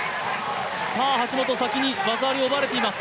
橋本、先に技ありを奪われています。